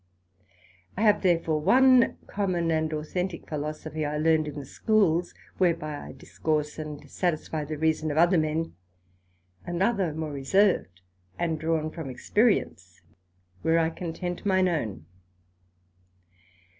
I have therefore one common and authentick Philosophy I learned in the Schools, whereby I discourse and satisfie the reason of other men; another more reserved, and drawn from experience, whereby I content mine own.